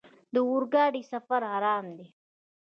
د اورګاډي سفر ارام دی.